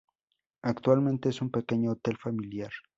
Actualmente es un pequeño hotel familiar.